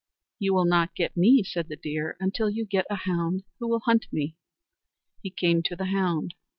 "You will not get me," said the deer, "until you get a hound who will hunt me." He came to the hound.